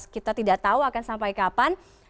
kita tidak tahu akan sampai kapan